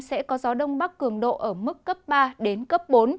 sẽ có gió đông bắc cường độ ở mức cấp ba đến cấp bốn